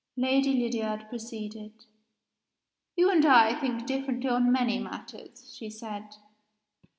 Lady Lydiard proceeded: "You and I think differently on many matters," she said.